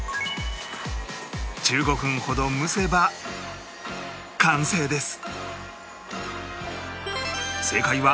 １５分ほど蒸せば完成です